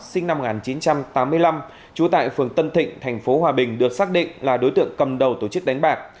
sinh năm một nghìn chín trăm tám mươi năm trú tại phường tân thịnh tp hòa bình được xác định là đối tượng cầm đầu tổ chức đánh bạc